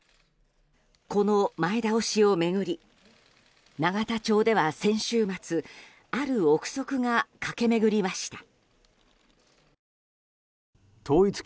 この前倒しを巡り永田町では先週末ある憶測が駆け巡りました。